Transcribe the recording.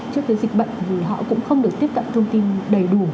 trước cái dịch bệnh thì họ cũng không được tiếp cận thông tin đầy đủ